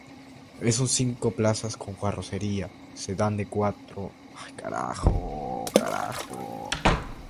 Es un cinco plazas con carrocería sedán de cuatro puertas y motor delantero longitudinal.